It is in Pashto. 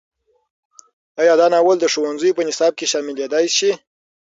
ایا دا ناول د ښوونځیو په نصاب کې شاملېدی شي؟